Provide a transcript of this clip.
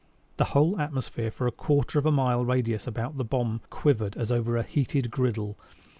The whole atmosphere for a quarter of a mile radius about the fatal bomb quivered as over a heated griddle.